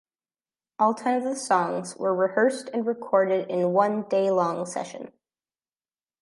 All ten of the songs were rehearsed and recorded in one day-long session.